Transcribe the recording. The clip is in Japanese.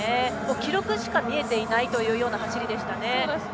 記録しか見えていないというような走りでしたね。